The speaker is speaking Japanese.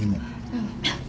うん。